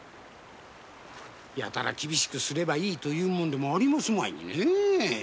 やたら厳しくすればいいというものでもありますまいにね。